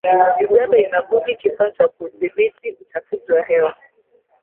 Uganda inabuni kifaa cha kudhibiti uchafuzi wa hewa